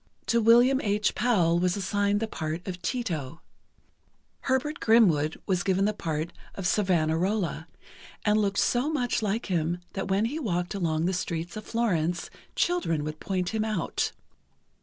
To William H. Powell was assigned the part of Tito; Herbert Grimwood was given the part of Savonarola, and looked so much like him that when he walked along the streets of Florence, children would point him out.